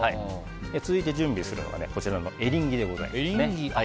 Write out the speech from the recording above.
続いて準備するのがこちらのエリンギでございます。